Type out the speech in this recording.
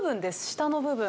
下の部分。